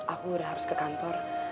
aku udah harus ke kantor